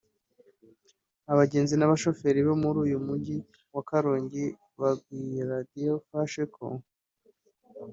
Abagenzi n’abashoferi bo muri uyu Mujyi wa Karongi babwiye Radio Flash ko